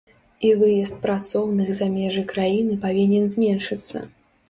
І выезд працоўных за межы краіны павінен зменшыцца.